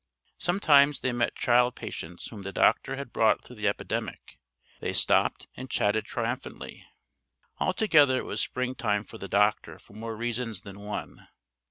Sometimes they met child patients whom the doctor had brought through the epidemic, they stopped and chatted triumphantly. Altogether it was springtime for the doctor for more reasons than one.